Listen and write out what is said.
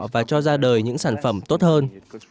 và cho ra đời những sản phẩm tốt hơn